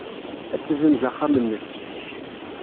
Ad tessenz axxam-nnes.